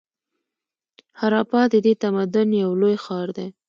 هراپا د دې تمدن یو لوی ښار و.